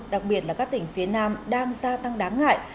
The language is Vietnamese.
đặc biệt là các tỉnh phía nam đang gia tăng đáng ngại